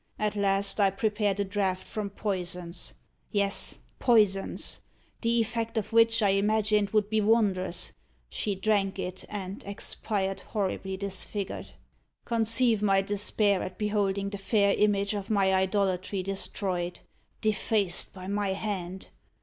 At last I prepared a draught from poisons yes, poisons the effect of which, I imagined, would be wondrous. She drank it, and expired horribly disfigured. Conceive my despair at beholding the fair image of my idolatry destroyed defaced by my hand.